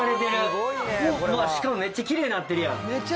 しかもめっちゃきれいになってるやん。